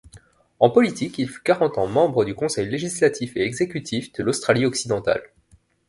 En politique, il fut quarante ans membre du conseil législatif et exécutif de l'Australie-Occidentale.